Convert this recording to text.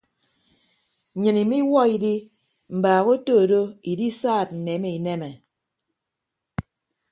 Nnyịn imiwuọ idi mbaak otodo idisaad nneme ineme.